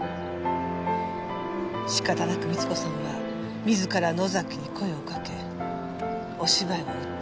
仕方なく美津子さんは自ら野崎に声をかけお芝居を打った。